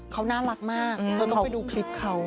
เขาน่ารักมากเธอต้องไปดูคลิปเขา